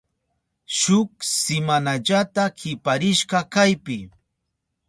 Shuk simanallata kiparisha kaypi.